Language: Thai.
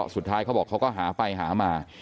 สุดท้ายเขาบอกว่าก็หาไปหามา